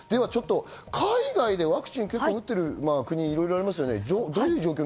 海外でワクチン結構打ってる国がありますね。